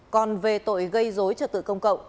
còn về tội gây dối trợ tự công cộng